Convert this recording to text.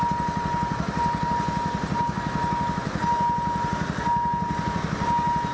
โรงพยาบาล